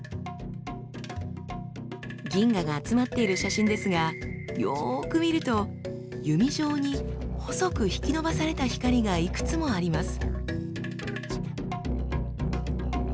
銀河が集まっている写真ですがよく見ると弓状に細く引き伸ばされた光がいくつもあります。